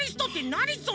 なにそれ。